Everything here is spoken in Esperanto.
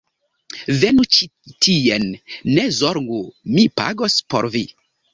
Venu ĉi tien. Ne zorgu, mi pagos por vi